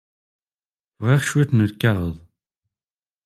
Bɣiɣ cwiṭ n lkaɣeḍ.